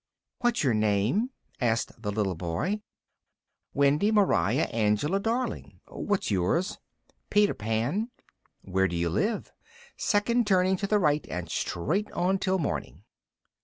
"What's your name?" asked the little boy. "Wendy Moira Angela Darling. What's yours?" "Peter Pan." "Where do you live?" "Second turning to the right, and straight on till morning."